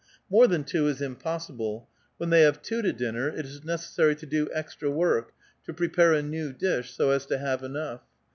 More than two is impossible ; when they have two to dinner, it is neces sary to do extra work, to prepare a new dish so as to have enough.